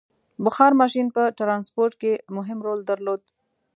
• بخار ماشین په ټرانسپورټ کې مهم رول درلود.